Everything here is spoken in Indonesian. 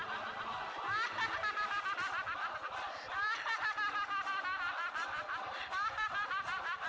dan sampai banyak p programming